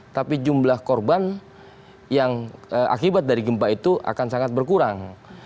tapi jumlah korban yang akibat dari gempa itu akan sangat berkurang